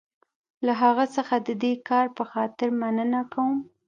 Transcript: له هغه څخه د دې کار په خاطر مننه کوم.